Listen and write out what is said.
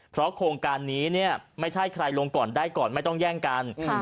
เพราะโครงการนี้เนี่ยไม่ใช่ใครลงก่อนได้ก่อนไม่ต้องแย่งกัน